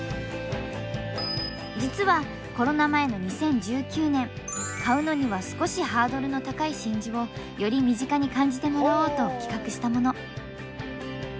実はコロナ前の２０１９年買うのには少しハードルの高い真珠をより身近に感じてもらおうと企画したもの。